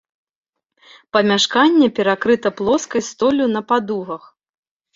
Памяшканне перакрыта плоскай столлю на падугах.